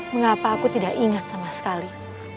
mengapa aku tidak ingat sama sekali